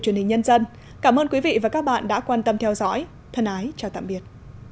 truyền hình nhân dân cảm ơn quý vị và các bạn đã quan tâm theo dõi thân ái chào tạm biệt